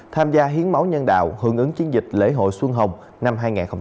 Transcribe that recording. tham gia hiến máu nhân đạo hưởng ứng chiến dịch lễ hội xuân hồng năm hai nghìn hai mươi